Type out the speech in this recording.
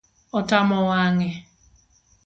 Otamo wang’e